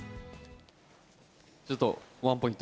ちょっとワンポイント。